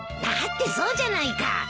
だってそうじゃないか。